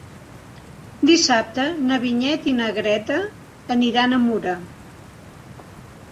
Dissabte na Vinyet i na Greta aniran a Mura.